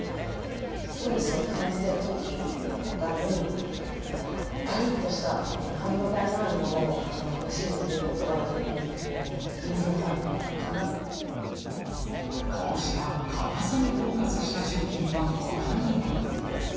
ストレスを感じてるときとかに、ばりっとした、かみ応えのあるものを楽しむということは、やはりニーズがあるかこうした、かたさにフォーカスした商品は、ほかにも。